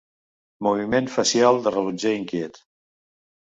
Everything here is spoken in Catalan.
Moviment facial de rellotger inquiet.